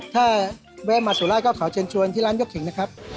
ถ้าแวะมาสุราชก็ขอเชิญชวนที่ร้านยกขิงนะครับ